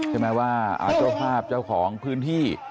ใช่ไหมว่าเจ้าภาพเจ้าของพื้นที่